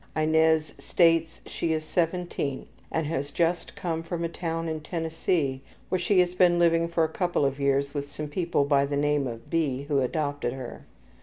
Inez states she is 17 and has just come from a town in Tennessee where she has been living for a couple of years with some people by the name of B. who adopted her.